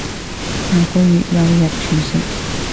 下個月有日全食